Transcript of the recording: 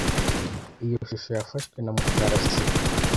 Iyo shusho yafashwe na Mutwara sibo.